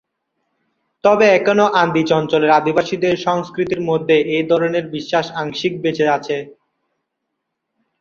তবে এখনো আন্দিজ অঞ্চলের আদিবাসীদের সংস্কৃতির মধ্যে এধরনের বিশ্বাস আংশিক বেঁচে আছে।